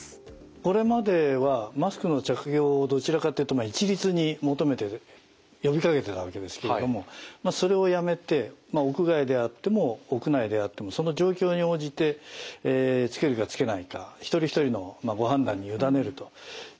これまではマスクの着用をどちらかというと一律に求めて呼びかけてたわけですけれどもそれをやめて屋外であっても屋内であってもその状況に応じてつけるかつけないか一人一人のご判断に委ねるということになります。